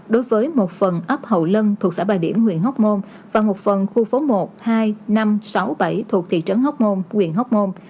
đối với một phần ấp hậu lân thuộc xã bài điểm huyện hóc môn và một phần khu phố một hai năm trăm sáu mươi bảy thuộc thị trấn hóc môn huyện hóc môn